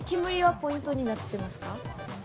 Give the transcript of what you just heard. ◆ポイントになってます。